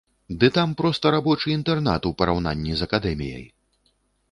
Ды там проста рабочы інтэрнат у параўнанні з акадэміяй!